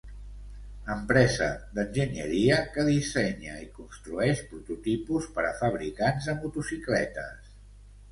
Empresa d'enginyeria que dissenya i construeix prototipus per a fabricants de motocicletes.